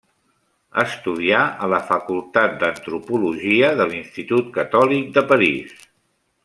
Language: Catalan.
Estudià a la Facultat d'Antropologia de l'Institut Catòlic de París.